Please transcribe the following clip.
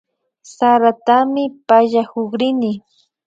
Saratami pallakukrini